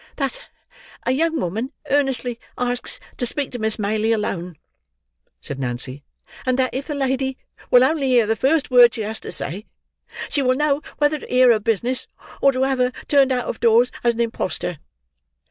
"That a young woman earnestly asks to speak to Miss Maylie alone," said Nancy; "and that if the lady will only hear the first word she has to say, she will know whether to hear her business, or to have her turned out of doors as an impostor."